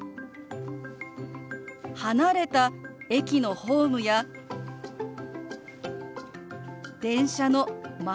離れた駅のホームや電車の窓